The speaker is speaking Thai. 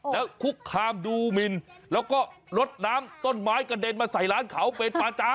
แล้วคุกคามดูมินแล้วก็ลดน้ำต้นไม้กระเด็นมาใส่ร้านเขาเป็นประจำ